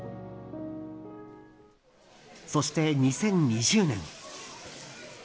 そして２０２０年。